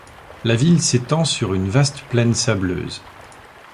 La ville s'étend sur une vaste plaine sableuse.